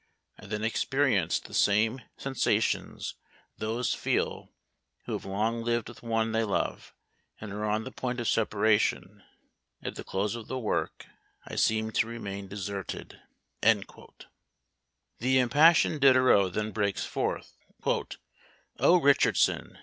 I then experienced the same sensations those feel who have long lived with one they love, and are on the point of separation. At the close of the work I seemed to remain deserted." The impassioned Diderot then breaks forth: "Oh, Richardson!